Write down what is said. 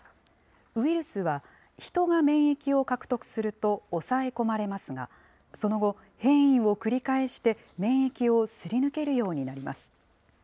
ウイルスは、ヒトが免疫を獲得すると抑え込まれますが、その後、変異を繰り返して、免疫をすり抜けるようになります。